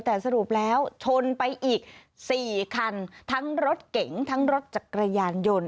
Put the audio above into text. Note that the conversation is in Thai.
แต่สรุปแล้วชนไปอีก๔คันทั้งรถเก๋งทั้งรถจักรยานยนต์